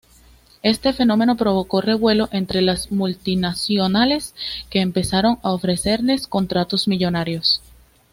Este fenómeno provocó revuelo entre las multinacionales, que empezaron a ofrecerles contratos millonarios.